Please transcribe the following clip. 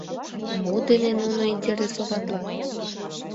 Мо дене нуно интересоватлат?